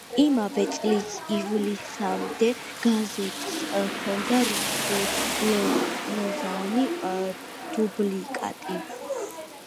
იმავე წლის ივლისამდე გაზეთს ჰქონდა რუსულენოვანი დუბლიკატი.